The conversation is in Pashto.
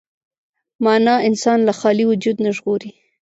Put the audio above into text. معنی انسان له خالي وجود نه ژغوري.